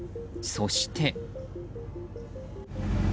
そして。